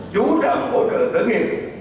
chú trạm hỗ trợ tướng yên